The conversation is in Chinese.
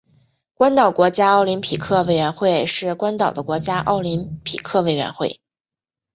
关岛国家奥林匹克委员会是关岛的国家奥林匹克委员会。